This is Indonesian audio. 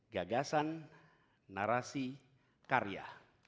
gagasan narasi karya